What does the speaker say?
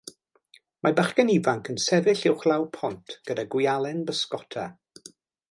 Mae bachgen ifanc yn sefyll uwchlaw pont gyda gwialen bysgota.